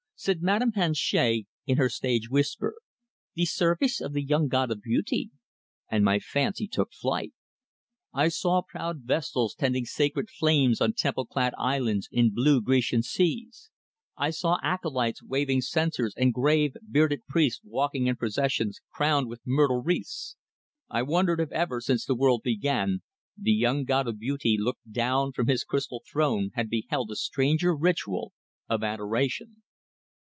Said Madame Planchet, in her stage whisper: "The serveece of the young god of beautee!" And my fancy took flight. I saw proud vestals tending sacred flames on temple clad islands in blue Grecian seas; I saw acolytes waving censers, and grave, bearded priests walking in processions crowned with myrtle wreaths. I wondered if ever since the world began, the young god of beautee looking down from his crystal throne had beheld a stranger ritual of adoration!